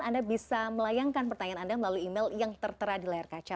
anda bisa melayangkan pertanyaan anda melalui email yang tertera di layar kaca